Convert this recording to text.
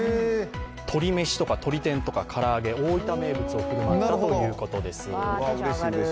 とりめしとか、鶏天とかから揚げ、大分名物を振る舞ったということです。